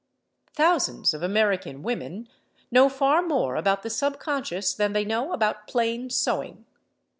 Thousands of American women know far more about the Subconscious than they know about plain sewing.